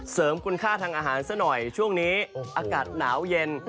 เสริมคุณค่าทางอาหารซะหน่อยช่วงนี้อากาศหนาวเย็น